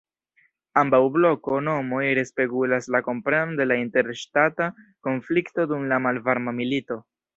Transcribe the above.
Ambaŭ "bloko"-nomoj respegulas la komprenon de la interŝtata konflikto dum la Malvarma Milito.